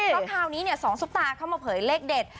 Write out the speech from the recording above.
ก็คราวนี้สองต้านเข้ามาเผยเลขเดช